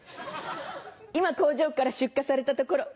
今工場から出荷されたところ。